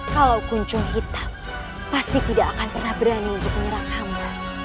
kalau kuncung hitam pasti tidak akan pernah berani untuk menyerang hamba